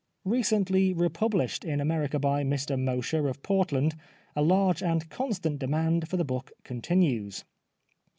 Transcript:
Re cently repubhshed in America by Mr Mosher of Portland a large and constant demand for the book continues.